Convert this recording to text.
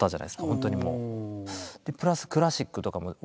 本当にもう。